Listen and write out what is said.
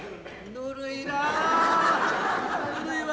ぬるいわ。